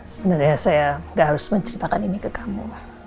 sebenernya saya gak harus menceritakan ini ke kamu